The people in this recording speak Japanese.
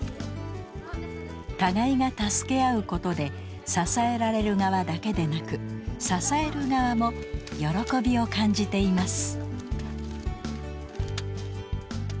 互いが助け合うことで支えられる側だけでなく支える側も喜びを感じています。